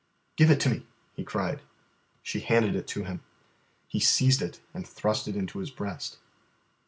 "Give it to me," he cried. She handed it to him. He seized it and thrust it into his breast.